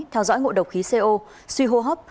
theo dõi ngộ độc khí co suy hô hấp